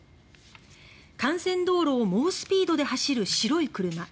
幹線道路を猛スピードで走る白い車。